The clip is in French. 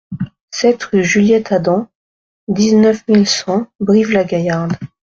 sept rue Juliette Adam, dix-neuf mille cent Brive-la-Gaillarde